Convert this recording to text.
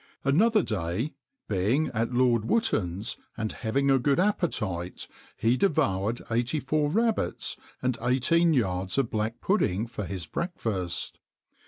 Another day, being at Lord Wootton's, and having a good appetite, he devoured eighty four rabbits and eighteen yards of black pudding for his breakfast.